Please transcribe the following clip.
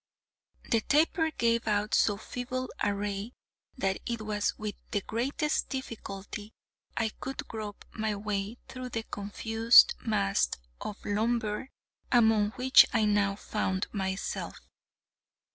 The taper gave out so feeble a ray that it was with the greatest difficulty I could grope my way through the confused mass of lumber among which I now found myself.